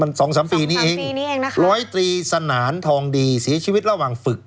มัน๒๓ปีนี้เองร้อยตรีสนานทองดีสีชีวิตระหว่างฝึก